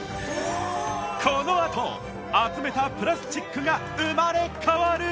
このあと集めたプラスチックが生まれ変わる！